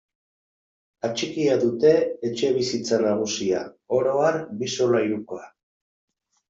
Atxikia dute etxebizitza nagusia, oro har bi solairukoa.